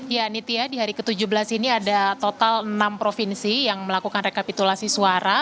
ya nitya di hari ke tujuh belas ini ada total enam provinsi yang melakukan rekapitulasi suara